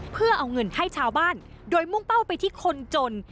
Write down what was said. เพื่อเอาเงินให้ชาวบ้านโดยมุ่งเป้าไปที่คนจน